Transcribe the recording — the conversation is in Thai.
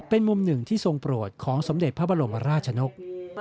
เป็นมุมหนึ่งที่ทรงโปรดของสมเด็จพระบรมราชนก